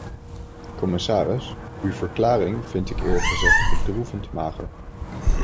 Commissaris, uw verklaring vind ik eerlijk gezegd bedroevend mager.